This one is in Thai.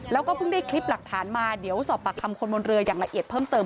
แล้วก็เพิ่งได้คลิปหลักฐานมาเดี๋ยวสอบปากคำคนบนเรืออย่างละเอียดเพิ่มเติม